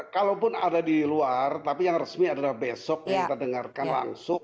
kalaupun ada di luar tapi yang resmi adalah besok yang kita dengarkan langsung